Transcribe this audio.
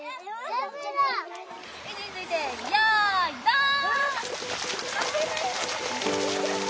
位置についてよいドン！